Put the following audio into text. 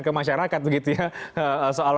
ke masyarakat soal